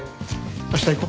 明日行こう。